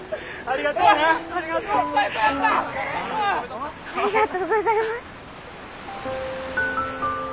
ありがとうございます。